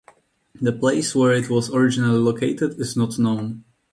The place where it was originally located is not known.